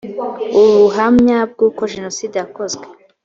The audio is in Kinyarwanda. ubuhamya bw uko jenoside yakozwe